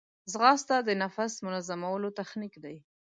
ځغاسته د نفس منظمولو تخنیک دی